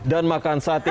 dan makan sate